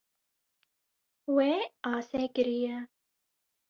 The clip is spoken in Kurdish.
Wê asê kiriye.